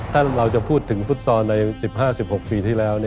ถ้าเราจะพูดถึงฟุตซอลใน๑๕๑๖ปีที่แล้ว